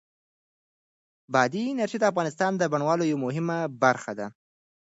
بادي انرژي د افغانستان د بڼوالۍ یوه مهمه برخه ده.Shutterstock